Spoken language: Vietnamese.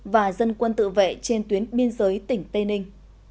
và dân quân tự vệ trên tuyến biên giới tỉnh tây ninh